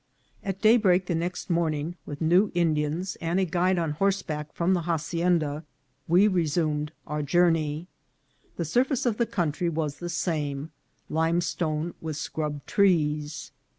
AT daybreak the next morning, with new Indians and a guide on horseback from the hacienda, we resu med our journey. The surface of the country was the same, limestone with scrub trees.